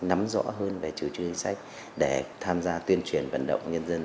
nắm rõ hơn về chứa chứa chính sách để tham gia tuyên truyền vận động nhân dân